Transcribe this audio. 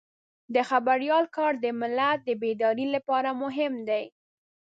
د خبریال کار د ملت د بیدارۍ لپاره مهم دی.